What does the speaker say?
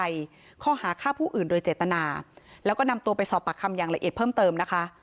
ในข้อหาฆ่าผู้อื่นโดยเจตนาแล้วก็นำตัวไปสอบปากคำอย่างละเอียดเพิ่มเติมนะคะ